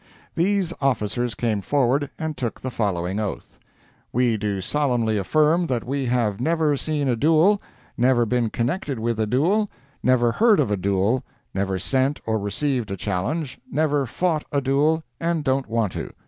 These officers came forward and took the following oath: "We do solemnly affirm that we have never seen a duel, never been connected with a duel, never heard of a duel, never sent or received a challenge, never fought a duel, and don't want to.